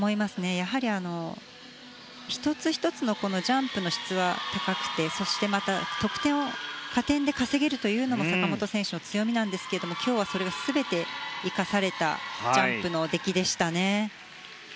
やはり１つ１つのジャンプの質は高くてそして、得点を加点で稼げるというのも坂本選手の強みなんですが今日はそれが全て生かされたジャンプの出来でしたね。